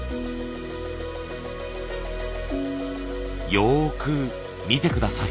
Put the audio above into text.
よく見て下さい。